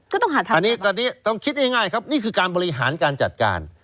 ก็ต้องหาทางอันนี้ต้องคิดง่ายครับนี่คือการบริหารการจัดการ